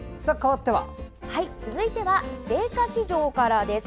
続いては青果市場からです。